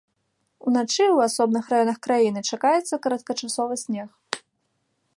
Уначы ў асобных раёнах краіны чакаецца кароткачасовы снег.